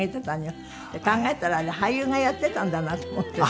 考えたらあれ俳優がやっていたんだなと思ってね。